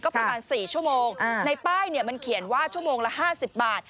ก็ประมาณสี่ชั่วโมงในป้ายเนี่ยมันเขียนว่าชั่วโมงละห้าสิบบาท